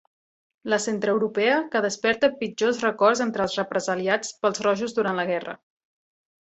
La centreeuropea que desperta pitjors records entre els represaliats pels rojos durant la guerra.